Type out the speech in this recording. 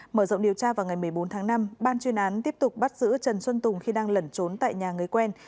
mở rộng điều tra vào ngày một mươi bốn tháng năm ban chuyên án tiếp tục bắt giữ trần xuân tùng khi đang lẩn trốn tại nhà người quen